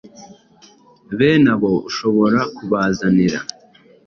Bene abo ushobora kubazanira